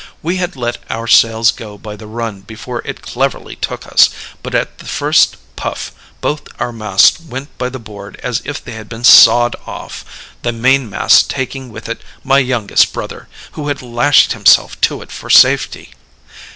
We had let our sails go by the run before it cleverly took us; but at the first puff both our masts went by the board as if they had been sawed off the mainmast taking with it my youngest brother, who had lashed himself to it for safety.